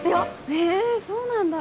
へぇそうなんだ。